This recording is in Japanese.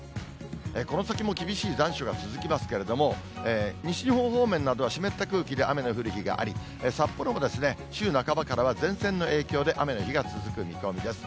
この先も厳しい残暑が続きますけれども、西日本方面などは湿った空気で雨の降る日があり、札幌も週半ばからは前線の影響で雨の日が続く見込みです。